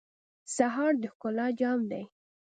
سهار د ښکلا جام دی.